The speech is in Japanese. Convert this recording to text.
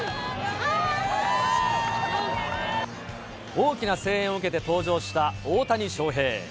大きな声援を受けて登場した大谷翔平。